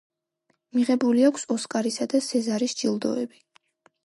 მიღებული აქვს ოსკარისა და სეზარის ჯილდოები.